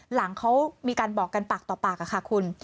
หลังเขามีการบอกกันปากต่อปากค่ะคุณ